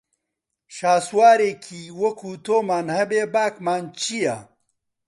شاسوارێکی وەکوو تۆمان هەبێ باکمان چییە